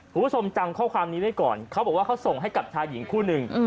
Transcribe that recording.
คุณผู้ชมจำข้อความนี้ไว้ก่อนเขาบอกว่าเขาส่งให้กับชายหญิงคู่หนึ่ง